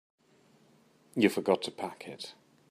You forgot to pack it.